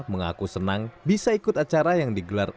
mengaku senang bisa ikut acara yang digelar